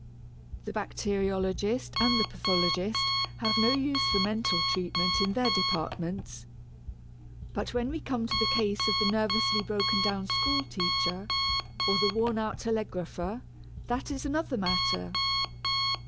The bacteriologist and the pathologist have no use for mental treatment, in their departments. But when we come to the case of the nervously broken down school teacher, or the worn out telegrapher, that is another matter.